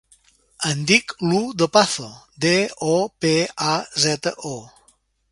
Em dic Iu Dopazo: de, o, pe, a, zeta, o.